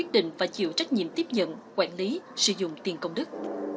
được trách nhiệm tiếp nhận quản lý sử dụng tiền công đức